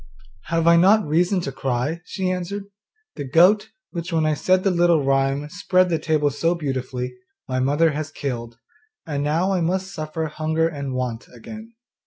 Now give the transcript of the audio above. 'Have I not reason to cry?' she answered, 'the goat, which when I said the little rhyme, spread the table so beautifully, my mother has killed, and now I must suffer hunger and want again.